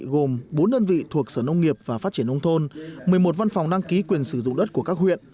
gồm bốn đơn vị thuộc sở nông nghiệp và phát triển nông thôn một mươi một văn phòng đăng ký quyền sử dụng đất của các huyện